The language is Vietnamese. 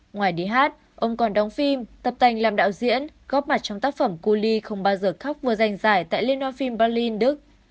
ngoài đi hát ông còn đóng phim tập tành làm đạo diễn góp mặt trong tác phẩm kuli không bao giờ khóc vừa giành giải tại liên hoan phim berlin đức